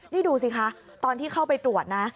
นี่ดูสิคะตอนที่เข้าไปตรวจนะ